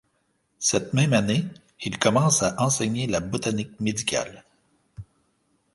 Cette même année, il commence à enseigner la botanique médicale.